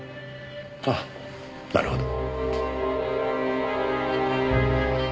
ああなるほど。